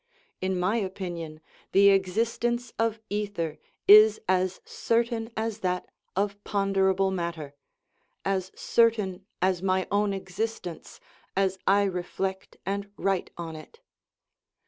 In my opinion, the existence of ether is as certain as that of ponderable matter as certain as my own existence, as I reflect and write on it.